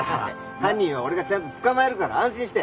犯人は俺がちゃんと捕まえるから安心して。